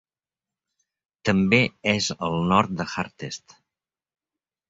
També és al nord de Hartest.